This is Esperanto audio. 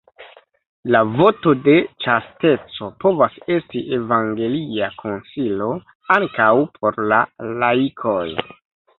La voto de ĉasteco povas esti evangelia konsilo ankaŭ por la laikoj.